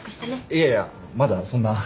いやいやまだそんな。